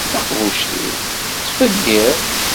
Taqbuct-iw tettfeggiḍ.